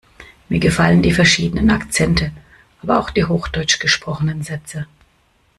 Mir gefallen die verschiedenen Akzente, aber auch die hochdeutsch gesprochenen Sätze.